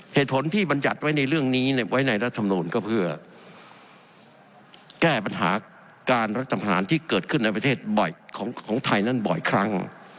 เหตุผลที่บรรยัติไว้ในเรื่องนี้ไว้ในรัฐมนูลก็เพื่อแก้ปัญหาการรัฐประหารที่เกิดขึ้นในประเทศของไทยนั้นบ่อยครั้ง